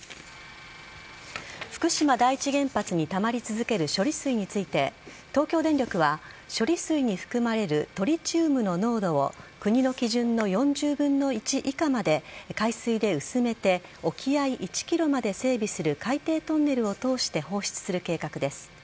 福島第一原発にたまり続ける処理水について東京電力は処理水に含まれるトリチウムの濃度を国の基準の４０分の１以下まで海水で薄めて沖合１ｋｍまで整備する海底トンネルを通して放出する計画です。